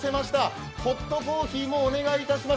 ホットコーヒーもお願いいたします。